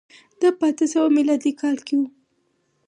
دا په اته سوه میلادي کال کي و.